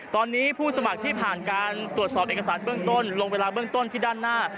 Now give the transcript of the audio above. ตอนนี้ผู้สมัครที่ผ่านการตรวจสอบเอกสารเบื้องต้นลงเวลาเบื้องต้นที่ด้านหน้า